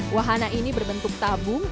wahana ini berbentuk tabung